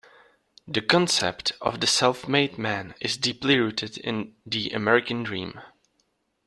The concept of the self-made man is deeply rooted in the American Dream.